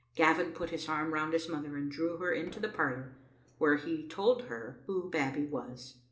Gavin put his arm round his mother, and drew her into the parlor, where he told her who Babbie was.